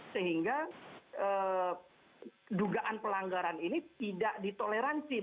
sehingga dugaan pelanggaran ini tidak ditoleransi